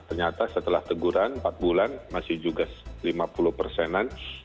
ternyata setelah teguran empat bulan masih juga lima puluh persenan